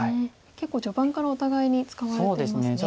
結構序盤からお互いに使われてますね。